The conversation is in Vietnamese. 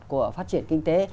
của phát triển kinh tế